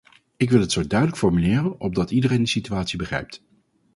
Ik wil het zo duidelijk formuleren opdat iedereen de situatie begrijpt.